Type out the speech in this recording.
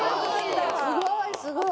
すごいすごい。